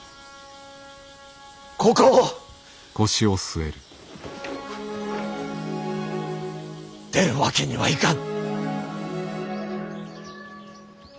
ここを出るわけにはいかぬ。